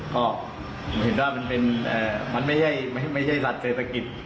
ก็ผมเห็นว่ามันไม่ใช่สัตว์เศรษฐกิจ